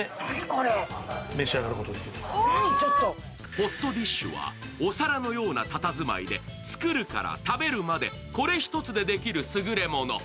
ホットディッシュはお皿のようなたたずまいで作るから食べるまで、これ１つでできるすぐれもの。